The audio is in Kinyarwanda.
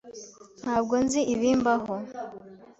Ntabwo nzi ibimbaho.